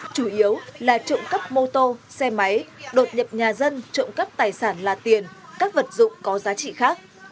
chủ yếu là trộm cắp mô tô xe máy đột nhập nhà dân trộm cắp tài sản là tiền các vật dụng có giá trị khác